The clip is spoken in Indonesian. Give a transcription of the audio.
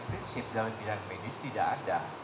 prinsip dalam bidang medis tidak ada